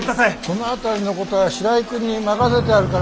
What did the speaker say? その辺りのことは白井君に任せてあるから。